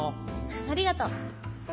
ありがとう。